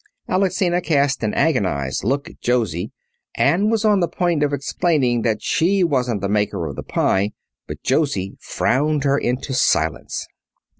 Alexina cast an agonized look at Josie, and was on the point of explaining that she wasn't the maker of the pie. But Josie frowned her into silence.